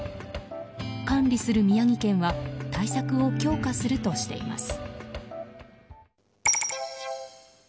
管理する宮城県は対策を強化するとしています。